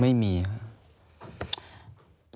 ไม่มีค่ะ